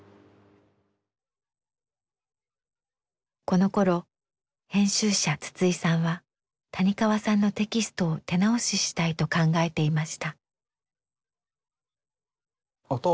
このころ編集者筒井さんは谷川さんのテキストを手直ししたいと考えていました。